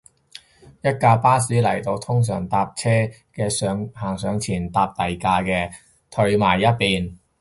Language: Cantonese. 一架巴士嚟到，通常搭車嘅行上前，搭第架嘅就褪埋一邊